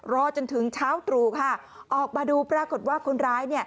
รอจนถึงเช้าตรู่ค่ะออกมาดูปรากฏว่าคนร้าย